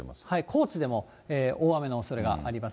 高知でも大雨のおそれがあります。